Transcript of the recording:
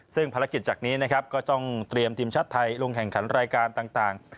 ซึ่งภารกิจจากนี้นะครับก็ต้องเตรียมทีมชาติไทยลงแข่งขันรายการต่าง